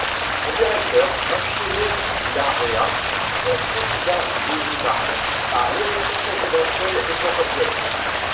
Son directeur, Marcelo Larrea, est candidat bolivarien à l'élection présidentielle équatorienne.